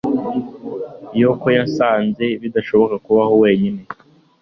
Yoko yasanze bidashoboka kubaho wenyine.